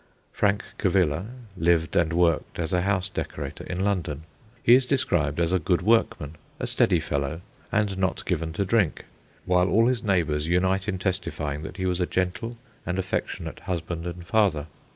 Frank Cavilla lived and worked as a house decorator in London. He is described as a good workman, a steady fellow, and not given to drink, while all his neighbours unite in testifying that he was a gentle and affectionate husband and father.